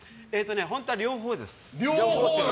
本当は両方です。